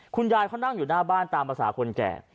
คุณยายเขานั่งอยู่หน้าบ้านตามภาษาคนแก่